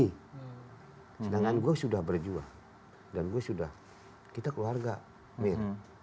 sedangkan saya sudah berjuang dan saya sudah kita keluarga amir